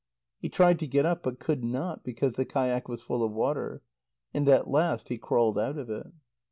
He tried to get up, but could not, because the kayak was full of water. And at last he crawled out of it.